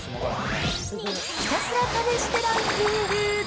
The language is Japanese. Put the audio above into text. ひたすら試してランキング。